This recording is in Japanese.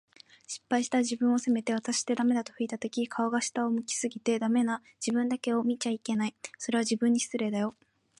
失敗した自分を責めて、「わたしってダメだ」と俯いたとき、顔が下を向き過ぎて、“ダメ”な自分だけ見ちゃいけない。それは、自分に失礼だよ。